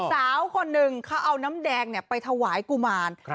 สาวคนหนึ่งเขาเอาน้ำแดงไปถวายกุมาร